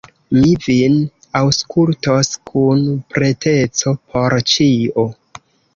Mi vin aŭskultos kun preteco por ĉio.